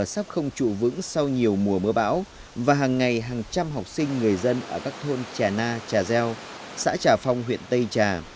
sắp không trụ vững sau nhiều mùa mưa bão và hàng ngày hàng trăm học sinh người dân ở các thôn trà na trà gieo xã trà phong huyện tây trà